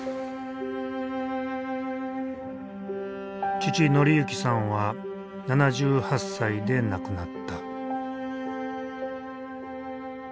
父紀幸さんは７８歳で亡くなった。